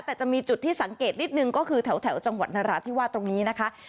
แต่จะมีจุดที่สังเกตนิดนึงก็คือแถวจังหวัดนราธิวาสตรงนี้นะคะ